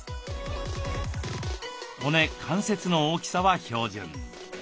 骨関節の大きさは標準。